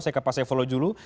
saya ke pak saifullah dulu